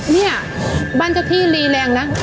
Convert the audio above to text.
เนี่ยบ้านเจ้าที่รีแรงนะ